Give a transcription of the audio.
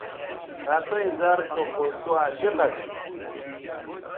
رتئیں زَر سو خو سوعشق اسُو